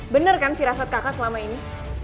bener kan firafat kakak selama ini